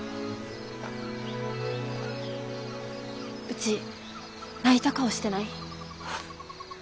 うち泣いた顔してない？